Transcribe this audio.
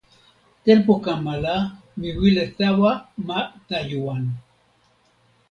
tenpo kama la mi wile tawa ma Tajuwan.